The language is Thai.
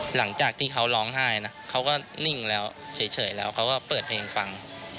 หลังจากที่เขาร้องไห้นะเขาก็นิ่งแล้วเฉยแล้วเขาก็เปิดเพลงฟัง